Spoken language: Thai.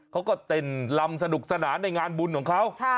เขาก็เต้นลำสนุกสนานในงานบุญของเขา